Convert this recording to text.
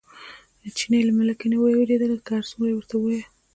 چیني له ملکه نه وېرېده، که هر څومره یې ورته وویل.